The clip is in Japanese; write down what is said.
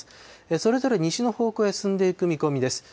それぞれ西の方向へ進んでいく見込みです。